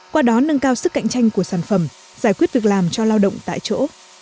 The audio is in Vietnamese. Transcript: qua đó nâng cao sức cạnh tranh của sản phẩm giải quyết việc làm cho lao động tại chỗ